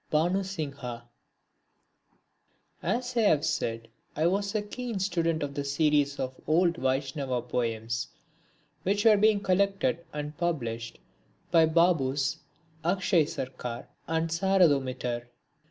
(21) Bhanu Singha As I have said I was a keen student of the series of old Vaishnava poems which were being collected and published by Babus Akshay Sarkar and Saroda Mitter.